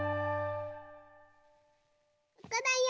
ここだよ